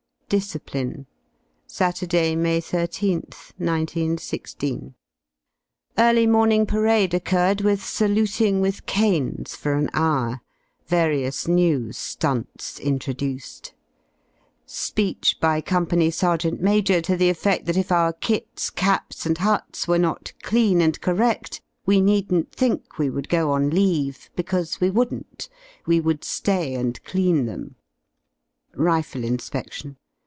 DISCIPLINE Saturday, May 13th, 19 16. Early morning parade occurred with saluting with canes for an hour; various new ^unts introduced. Speech by Company Sergeant Major to the efFedl that if our kits, caps, and huts were not clean and correal we needn't think we would go on leave, because we wouldn't; we would ^y and clean them. Rifle inspection.